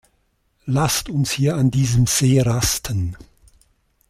Lasst uns hier an diesem See rasten!